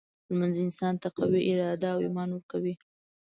لمونځ انسان ته قوي اراده او ایمان ورکوي.